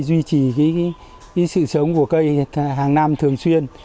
duy trì sự sống của cây hàng năm thường xuyên